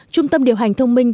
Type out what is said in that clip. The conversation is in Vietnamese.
trung tâm điều hành thông minh